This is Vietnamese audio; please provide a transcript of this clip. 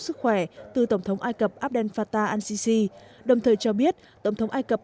sức khỏe từ tổng thống ai cập abdel fattah al sisi đồng thời cho biết tổng thống ai cập